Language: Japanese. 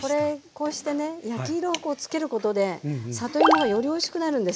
こうしてね焼き色をつけることで里芋がよりおいしくなるんです。